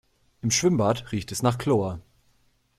Im Schwimmbad riecht es nach Chlor.